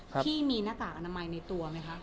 พี่มีหน้ากากอนามัยในตัวไหมคะ